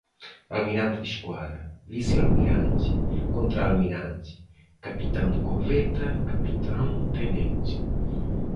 Almirante de Esquadra, Vice-Almirante, Contra-Almirante, Capitão de Corveta, Capitão-Tenente